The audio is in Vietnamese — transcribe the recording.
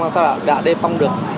người ta đã đề phòng được